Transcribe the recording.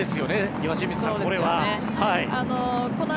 岩清水さん、これは。